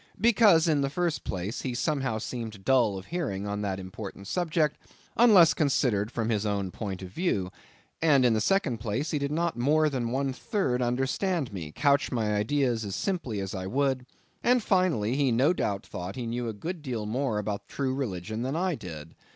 Because, in the first place, he somehow seemed dull of hearing on that important subject, unless considered from his own point of view; and, in the second place, he did not more than one third understand me, couch my ideas simply as I would; and, finally, he no doubt thought he knew a good deal more about the true religion than I did.